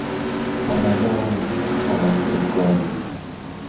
Παναγιά μου! φώναξε η κόρη.